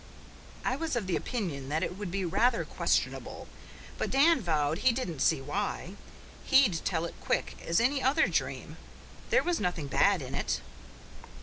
I was of the opinion that it would be rather questionable; but Dan vowed he didn't see why. HE'D tell it quick as any other dream. There was nothing bad in it.